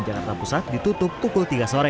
jakarta pusat ditutup pukul tiga sore